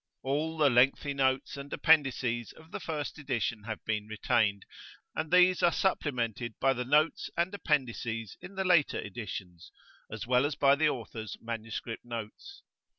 All the lengthy notes and appendices of the first edition have been retained, and these are supplemented by the notes and appendices in the later editions, as well as by the author's MS. notes.